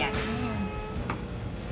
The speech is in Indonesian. baiklah gue bayar